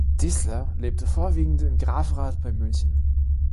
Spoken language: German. Distler lebte vorwiegend in Grafrath bei München.